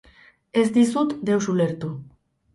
Ez dizut deus ulertu.